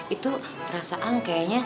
itu perasaan kayaknya